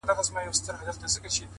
نور خپلي ويني ته شعرونه ليكو’